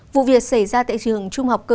vụ việc xảy ra tại trường trung học cơ sở